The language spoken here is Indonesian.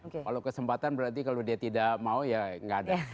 kalau kesempatan berarti kalau dia tidak mau ya nggak ada